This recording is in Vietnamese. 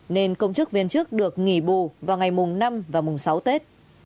nên công chức viên chức được nghỉ bù vào ngày mùng năm và mùng sáu tết